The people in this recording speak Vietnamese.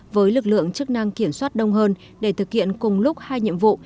với lực lượng chức năng kiểm soát đông hơn để thực hiện cùng lúc hai nhiệm vụ